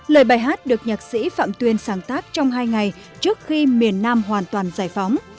lời bài hát được nhạc sĩ phạm tuyên sáng tác trong hai ngày trước khi miền nam hoàn toàn giải phóng